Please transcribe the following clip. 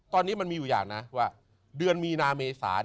ตอนนี้มันมีอยู่อย่างนะว่าเดือนมีนาเมษา